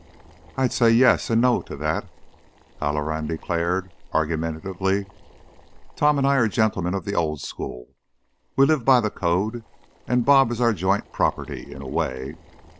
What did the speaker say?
"I'd say yes and no to that," Halloran declared, argu mentatively. "Tom and I are gentlemen of the old school; we live by the code and 'Bob' is our joint property, in a way.